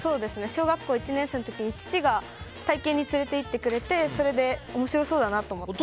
小学校１年生の時に父が体験に連れて行ってくれてそれで面白そうだなと思って。